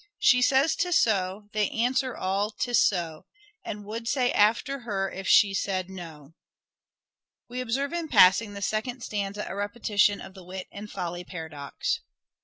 She says ' 'Tis so '; they answer all, ' 'Tis so '; And would say after her if she said ' No !'" (We observe in passing in the second stanza a repetition of the wit and folly paradox.)